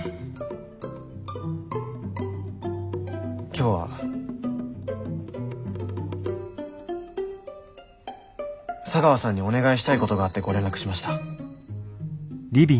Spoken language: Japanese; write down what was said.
今日は茶川さんにお願いしたいことがあってご連絡しました。